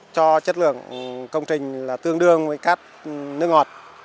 cho chất lượng công trình là tương đương với cát nước ngọt